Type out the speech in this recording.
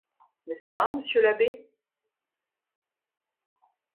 N'est-ce pas, monsieur l'abbé?